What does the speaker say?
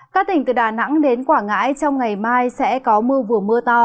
các tỉnh từ đà nẵng đến quảng ngãi trong ngày mai sẽ có mưa vừa mưa to